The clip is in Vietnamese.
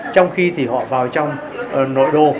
trong khi thì họ vào trong nội đô